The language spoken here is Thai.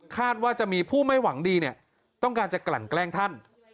ว่าจะมีผู้ไม่หวังดีต้องการจะกลั่นแกล้งท่าน